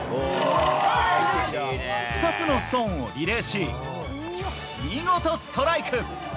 ２つのストーンをリレーし、見事ストライク。